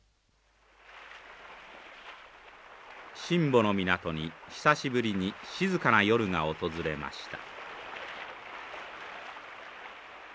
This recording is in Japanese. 新保の港に久しぶりに静かな夜が訪れました。